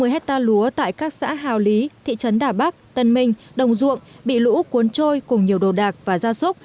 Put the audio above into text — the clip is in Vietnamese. một mươi hectare lúa tại các xã hào lý thị trấn đà bắc tân minh đồng duộng bị lũ cuốn trôi cùng nhiều đồ đạc và gia súc